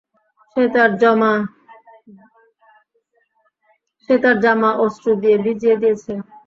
সে তার জামা অশ্রু দিয়ে ভিজিয়ে দিয়েছে।